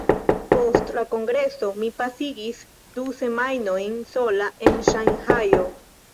Post la Kongreso, mi pasigis du semajnojn sola en Ŝanhajo.